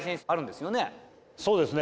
そうですね